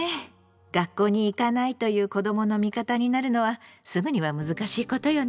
学校に行かないという子どもの味方になるのはすぐには難しいことよね。